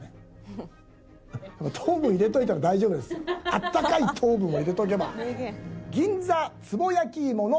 温かい糖分を入れとけば。